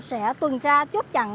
sẽ tuần ra chốt chặn